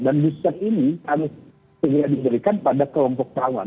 dan booster ini harus bisa diberikan pada kelompok pelawan